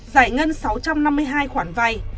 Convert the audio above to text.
giải ngân sáu trăm năm mươi hai khoản vai